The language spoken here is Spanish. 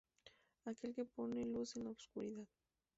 Aquel que pone luz en la oscuridad.